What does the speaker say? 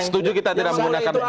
setuju kita tidak menggunakan